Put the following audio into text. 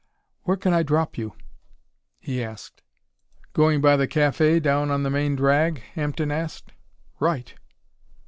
"Where can I drop you?" he asked. "Going by the café down on the main drag?" Hampden asked. "Right."